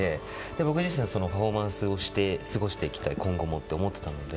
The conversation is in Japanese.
僕自身、パフォーマンスをして過ごしていきたい、今後もと思っていたので。